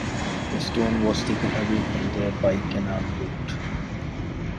The stone was taken away from there by canal boat.